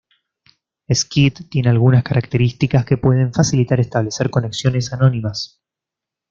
Squid tiene algunas características que pueden facilitar establecer conexiones anónimas.